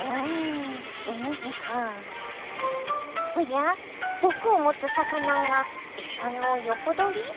おや毒を持つ魚がエサの横取り！？